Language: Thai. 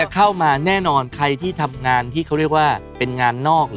เขายึกว่าเป็นงานนอก